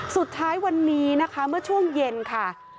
สุดท้ายวันนี้นะคะเมื่อช่วงเย็นค่ะ